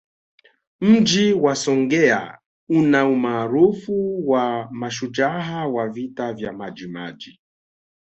Mji wa Songea una umaarufu wa mashujaa wa Vita vya Majimaji